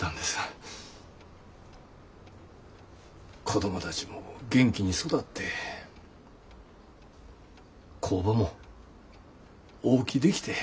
子供たちも元気に育って工場も大きできて。